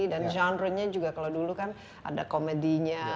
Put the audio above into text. dan genre nya juga kalau dulu kan ada comedy nya